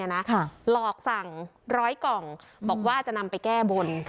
หลอกสั่ง๑๐๐กล่องบอกว่าจะนำไปแก้บน